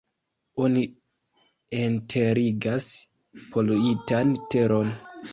Oni enterigas poluitan teron.